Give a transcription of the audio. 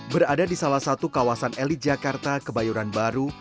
berada di salah satu kawasan elit jakarta kebayoran baru